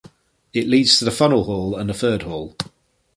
It leads to the Funnel hall and the Third hall.